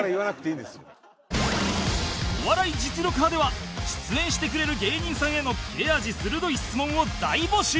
『お笑い実力刃』では出演してくれる芸人さんへの切れ味鋭い質問を大募集